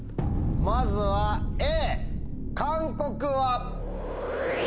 まずはＡ「韓国」は？